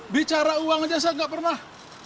bicara uang aja saya nggak pernah